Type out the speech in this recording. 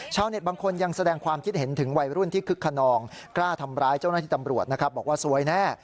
บางคนยังแสดงความคิดเห็นถึงวัยรุ่นที่คึกขนองกล้าทำร้ายเจ้าหน้าที่ตำรวจนะครับบอกว่าซวยแน่